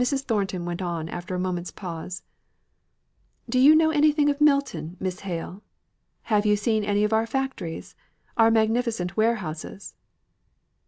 Thornton went on after a moment's pause: "Do you know anything of Milton, Miss Hale? Have you seen any of our factories? our magnificent warehouses?"